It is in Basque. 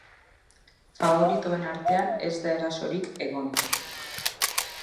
Faboritoen artean ez da erasorik egon.